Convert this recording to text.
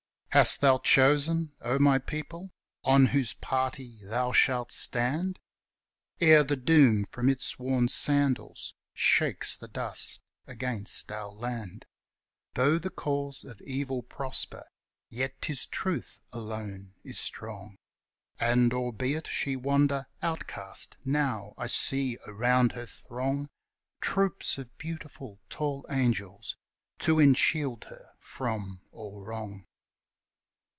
Hast thou chosen, O my people, on whose party thou shalt stand, Ere the Doom from its worn sandals shakes the dust against our land? Though the cause of Evil prosper, yet 'tis Truth alone is strong, And, albeit she wander outcast now, I see around her throng Troops of beautiful, tall angels, to enshield her from all wrong.